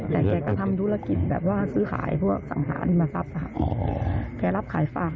แต่แกกระทำธุรกิจแบบว่าซื้อขายพวกสังฆาณิมศัพท์ค่ะ